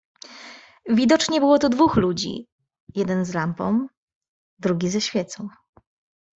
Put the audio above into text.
"Widocznie było tu dwóch ludzi, jeden z lampą, drugi ze świecą."